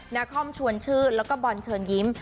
นาคอมชวนชื่อและบอนเชิญยิ้ม